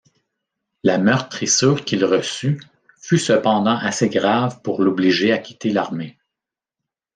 La meurtrissure qu’il reçut fut cependant assez grave pour l’obliger à quitter l’armée.